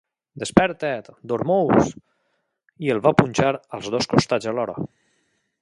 "Desperta't, Dormouse!", i el van punxar als dos costats alhora.